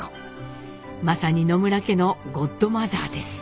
まさに野村家のゴッドマザーです。